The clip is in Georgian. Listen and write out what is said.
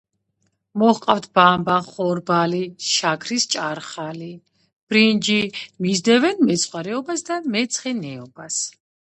მოჰყავთ ბამბა, ხორბალი, შაქრის ჭარხალი, ბრინჯი, მისდევენ მეცხვარეობას და მეცხენეობას.